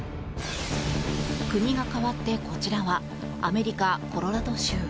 国が変わってこちらはアメリカ・コロラド州。